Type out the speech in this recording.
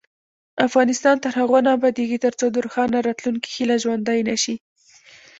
افغانستان تر هغو نه ابادیږي، ترڅو د روښانه راتلونکي هیله ژوندۍ نشي.